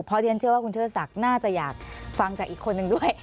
เพราะเรียนเชื่อว่าคุณเชิดศักดิ์น่าจะอยากฟังจากอีกคนนึงด้วย